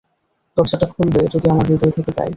দরজাটা খুলবে যদি আমরা হৃদয় থেকে গাই।